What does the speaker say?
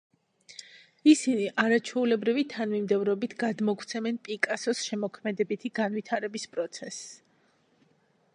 ისინი არაჩვეულებრივი თანმიმდევრობით გადმოგვცემენ პიკასოს შემოქმედებითი განვითარების პროცესს“.